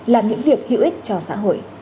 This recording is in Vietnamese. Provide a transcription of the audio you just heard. làm những việc hữu ích cho xã hội